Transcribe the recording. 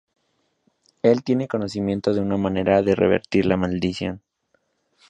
Él tiene conocimiento de una manera de revertir la maldición.